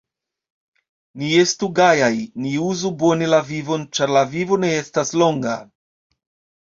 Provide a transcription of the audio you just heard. Ni estu gajaj, ni uzu bone la vivon, ĉar la vivo ne estas longa.